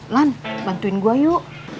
lan bantuin gua yuk